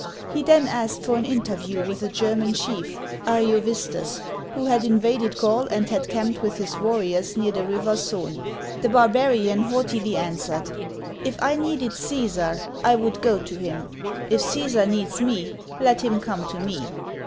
He then asked for an interview with a German chief, Ariovis'tus, who had invaded Gaul and had camped with his warriors near the river Sadne (son). The barbarian haughtily answered :" If I needed Caesar, I would go to him ; if Caesar needs me, let him come to me."